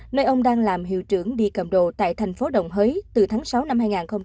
nơi ông đang làm hiệu trưởng đi cầm đồ tại thành phố đồng hới từ tháng sáu năm hai nghìn hai mươi